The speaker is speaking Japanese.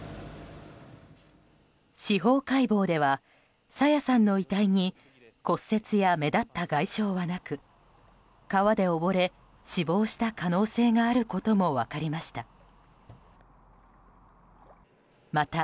司法解剖では朝芽さんの遺体に骨折や目立った外傷はなく川で溺れ、死亡した可能性があることも分かりました。